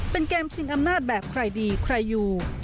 เป็นเกมชิงอำนาจแบบใครดีใครอยู่